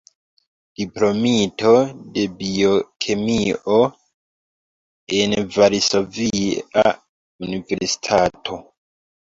Diplomito de biokemio en Varsovia Universitato.